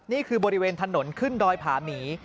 นี่คือบริเวณถนนขึ้นดอยผาหมี